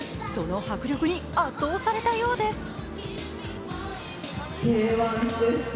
その迫力に圧倒されたようです。